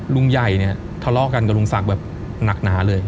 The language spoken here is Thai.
ลุงใหญ่เนี่ยทะเลาะกันกับลุงศักดิ์แบบหนักหนาเลย